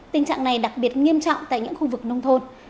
tình trạng này đặc biệt nghiêm trọng tại những khu vực nông thôn